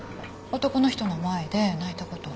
男の人の前で泣いたこと。